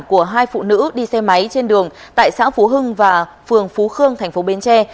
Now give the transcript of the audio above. của hai phụ nữ đi xe máy trên đường tại xã phú hưng và phường phú khương thành phố bến tre